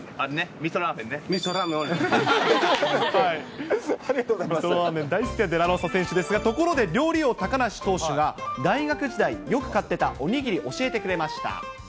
みそラーメン大好きなデラロサ投手ですが、ところで料理王、高梨投手が大学時代、よく買ってたお握り、教えてくれました。